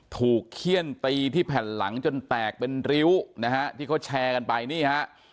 เขี้ยนตีที่แผ่นหลังจนแตกเป็นริ้วนะฮะที่เขาแชร์กันไปนี่ฮะ